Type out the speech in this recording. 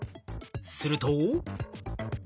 すると。